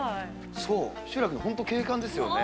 そう、集落の、本当に景観ですよね。